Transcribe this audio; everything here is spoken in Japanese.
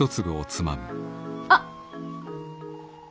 あっ。